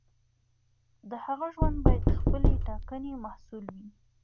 د هغه ژوند باید د خپلې ټاکنې محصول وي.